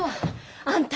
あんた